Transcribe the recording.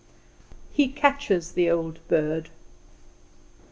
He Catches the Old Bird.